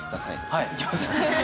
はい行きます。